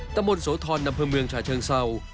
ตะมนต์โสธอนนำเพื่อเมืองชาชเชิงเศร้า